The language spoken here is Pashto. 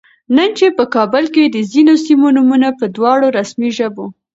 نن چې په کابل کې د ځینو سیمو نومونه په دواړو رسمي ژبو